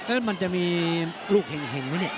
เอิ้นมันจะมีลูกเห็งเห็งไหมเนี่ย